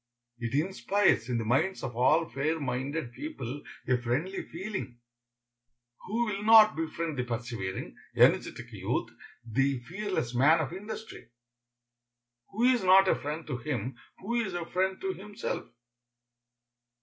It inspires in the minds of all fair minded people a friendly feeling. Who will not befriend the persevering, energetic youth, the fearless man of industry? Who is not a friend to him who is a friend to himself?